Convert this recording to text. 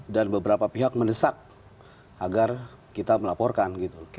dan beberapa pihak mendesak agar kita melaporkan